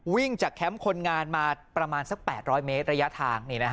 วิ่งจากแคมป์คนงานมาประมาณสัก๘๐๐เมตรระยะทาง